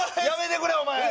やめてくれお前！